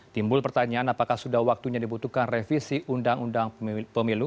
timbul pertanyaan apakah sudah waktunya dibutuhkan revisi undang undang pemilu